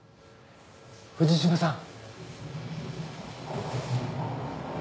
藤島さん。